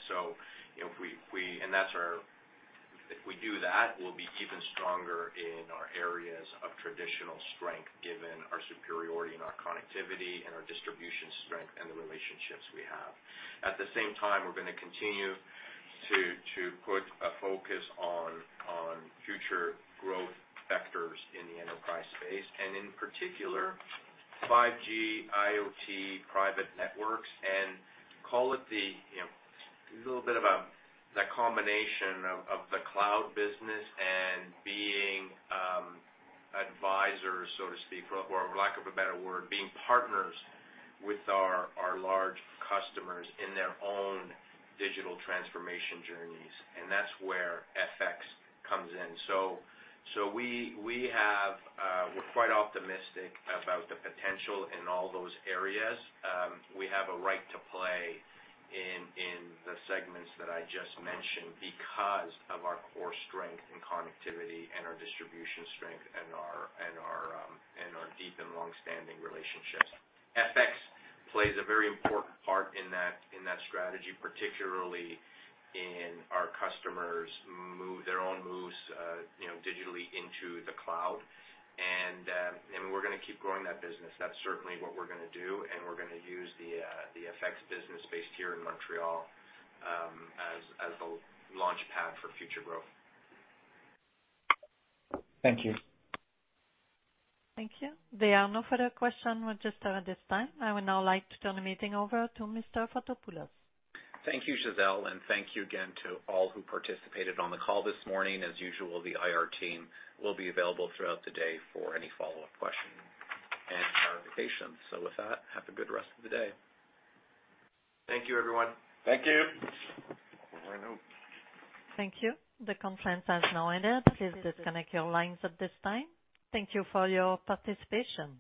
You know, if we do that, we'll be even stronger in our areas of traditional strength, given our superiority and our connectivity and our distribution strength and the relationships we have. At the same time, we're gonna continue to, to put a focus on, on future growth vectors in the enterprise space, and in particular, 5G, IoT, private networks, and call it the, you know, little bit of a, the combination of, of the cloud business and being advisors, so to speak, or for lack of a better word, being partners with our, our large customers in their own digital transformation journeys, and that's where FX comes in. So we, we have we're quite optimistic about the potential in all those areas. We have a right to play in, in the segments that I just mentioned because of our core strength in connectivity and our distribution strength and our, and our, and our deep and long-standing relationships. FX plays a very important part in that, in that strategy, particularly in our customers' move, their own moves, you know, digitally into the cloud. We're gonna keep growing that business. That's certainly what we're gonna do, and we're gonna use the FX business based here in Montreal, as, as a launch pad for future growth. Thank you. Thank you. There are no further question registered at this time. I would now like to turn the meeting over to Mr. Fotopoulos. Thank you, Gisele, and thank you again to all who participated on the call this morning. As usual, the IR team will be available throughout the day for any follow-up question and clarification. With that, have a good rest of the day. Thank you, everyone. Thank you! Thank you. The conference has now ended. Please disconnect your lines at this time. Thank you for your participation.